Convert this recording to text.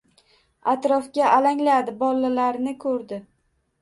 Atrofga alangladi, bolalarni ko'rdi.